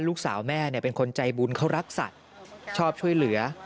ลูกสาวแม่เป็นคนใจบุญเขารักสัตว์ชอบช่วยเหลือ